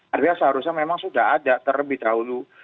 artinya seharusnya memang sudah ada terlebih dahulu